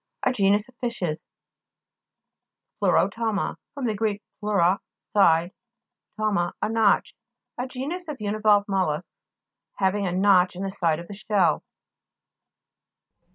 A genus of fishes. PLEURO'TOMA fr. gr. pleura, side, tome, a notch. A genus of univalve mollusks, having a notch in the side of the shell.